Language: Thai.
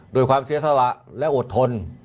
ด้วยความเสียสละและอดทน